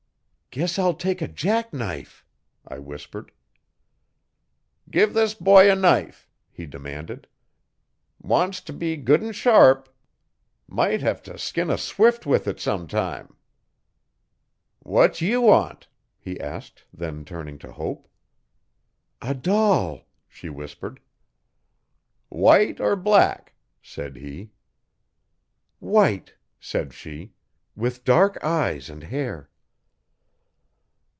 'Guess I'll take a jacknife,' I whispered. 'Give this boy a knife,' he demanded. 'Wants t' be good 'n sharp. Might hev t' skin a swift with it sometime.' 'What ye want?' he asked, then turning to Hope. 'A doll,' she whispered. 'White or black?' said he. 'White,' said she, 'with dark eyes and hair.'